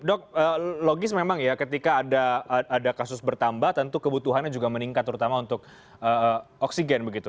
dok logis memang ya ketika ada kasus bertambah tentu kebutuhannya juga meningkat terutama untuk oksigen begitu